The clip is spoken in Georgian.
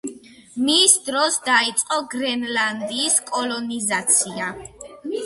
მის დროს დაიწყო გრენლანდიის კოლონიზაცია.